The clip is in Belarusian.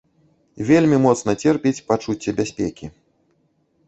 Вельмі моцна церпіць пачуцце бяспекі.